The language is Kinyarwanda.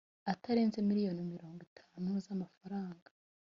atarenze miliyoni mirongo itanu zamafaranga